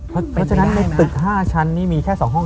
เพราะฉะนั้นในตึก๕ชั้นนี่มีแค่๒ห้อง